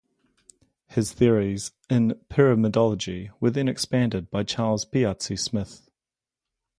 His theories in pyramidology were then expanded by Charles Piazzi Smyth.